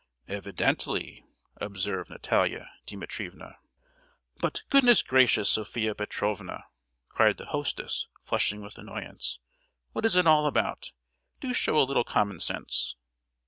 "Evidently!" observed Natalia Dimitrievna. "But—goodness gracious, Sophia Petrovna!" cried the hostess, flushing with annoyance; "what is it all about? Do show a little common sense!"